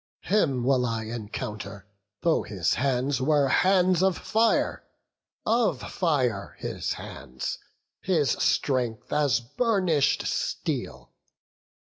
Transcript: Him will I Encounter, though his hands were hands of fire, Of fire his hands, his strength as burnish'd steel."